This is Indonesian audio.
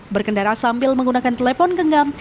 berkendara sambil menggunakan telepon genggam